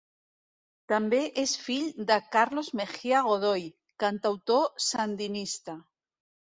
També és fill de Carlos Mejia Godoy, cantautor sandinista.